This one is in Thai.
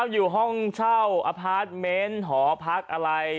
อยู่ห้องเช่าอพาร์ทเมนต์หอพักอะไร